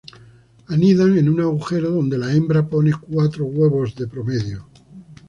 Anidan en un agujero donde la hembra pone cuatro huevos en promedio.